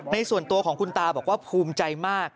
ส่วนตัวของคุณตาบอกว่าภูมิใจมาก